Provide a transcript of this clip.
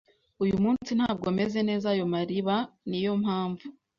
Uyu munsi, ntabwo meze neza. Ayo mariba niyo mpamvu.